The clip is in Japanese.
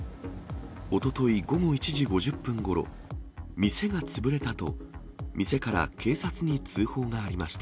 おととい午後１時５０分ごろ、店が潰れたと、店から警察に通報がありました。